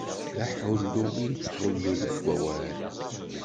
D aḥullu i tettḥullu deg wawal.